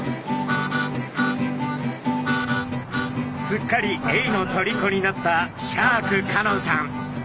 すっかりエイのとりこになったシャーク香音さん。